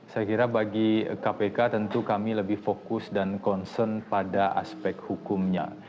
saya kira bagi kpk tentu kami lebih fokus dan concern pada aspek hukumnya